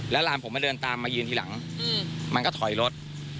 หลานผมมาเดินตามมายืนทีหลังมันก็ถอยรถ